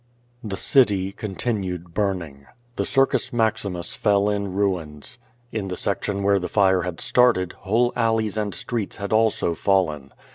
The city continued burning. The Circus Maximus fell in ruins. In the section where the fire had started, whole al leys and streets had also fallen.